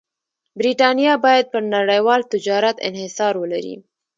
برېټانیا باید پر نړیوال تجارت انحصار ولري.